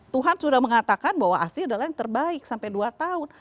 tuhan sudah mengatakan bahwa asi adalah yang terbaik sampai dua tahun